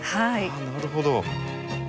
なるほど。